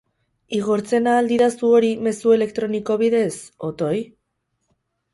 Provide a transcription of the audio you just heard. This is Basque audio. Igortzen ahal didazu hori mezu elektroniko bidez, otoi?